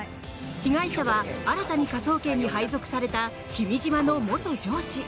被害者は、新たに科捜研に配属された君嶋の元上司。